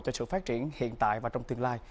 cho sự phát triển hiện tại và trong tương lai